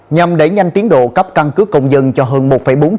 nhằm đẩy nhanh tiến độ cấp căn cứ công dân cho hơn một năm triệu trẻ